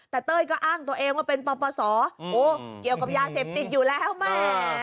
แต่เต้ยก็อ้างตัวเองว่าเป็นปปศเกี่ยวกับยาเสพติดอยู่แล้วแม่